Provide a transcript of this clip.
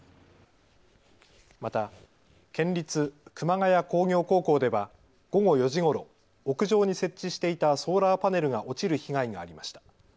また県立熊谷工業高校では午後４時ごろ、屋上に設置していたソーラーパネルが落ちる被害がありました。